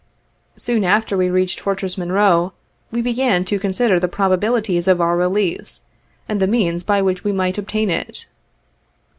Soon after we reached Fortress Monroe, we began to consider the probabilities of our release, and the means by which we might obtain it.